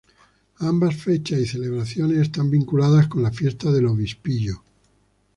Ambas fechas y celebraciones están vinculadas con la fiesta del obispillo.